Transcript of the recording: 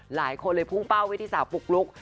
หลายคนเลยพูดเป้าวิธีศาปุ๊กลุก